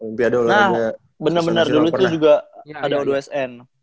nah bener bener dulu tuh juga ada o dua sn